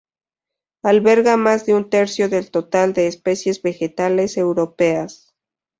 Alberga más de un tercio del total de especies vegetales europeas.